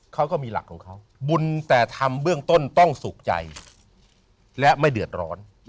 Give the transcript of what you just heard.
เขาก็มีหลักของเขาบุญแต่ทำเบื้องต้นต้องสุขใจและไม่เดือดร้อน